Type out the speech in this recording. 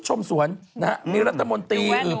จากธนาคารกรุงเทพฯ